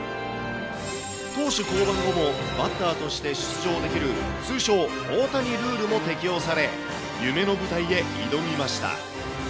投手降板後もバッターとして出場できる、通称、大谷ルールも適用され、夢の舞台へ挑みました。